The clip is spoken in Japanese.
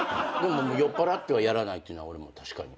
酔っぱらってはやらないっていうのは俺も確かに。